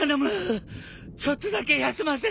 ちょっとだけ休ませてくれ。